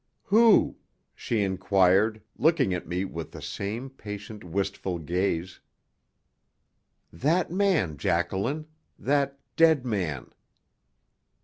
"Who?" she inquired, looking at me with the same patient, wistful gaze. "That man, Jacqueline. That dead man."